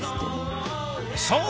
そう！